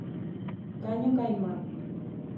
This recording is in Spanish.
Caño Caimán